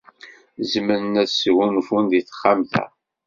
Zemren ad sgunfun deg texxamt-a.